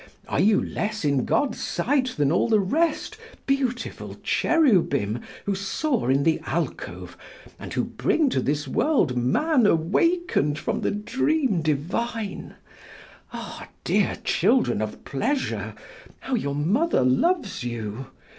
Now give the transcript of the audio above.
Are you less in God's sight than all the rest, beautiful cherubim who soar in the alcove, and who bring to this world man awakened from the dream divine! Ah! dear children of pleasure, how your mother loves you!